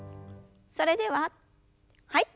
それでははい。